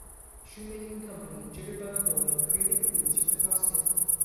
Shoemaking company Jitterbug Boy created the boots for the costume.